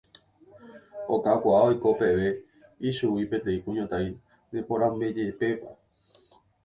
okakuaa oiko peve ichugui peteĩ kuñataĩ neporãmbajepéva